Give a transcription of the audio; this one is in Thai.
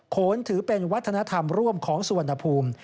โขนถือเป็นวัฒนธรรมร่วมของสุวรรณภูมิ